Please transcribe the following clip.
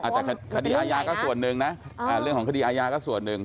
แต่คดีอาญาก็ส่วนหนึ่งนะเรื่องของคดีอาญาก็ส่วนหนึ่ง